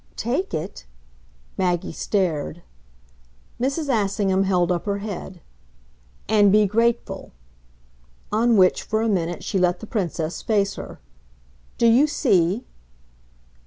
"Take it ?" Maggie stared. Mrs. Assingham held up her head. "And be grateful." On which, for a minute, she let the Princess face her. "Do you see?"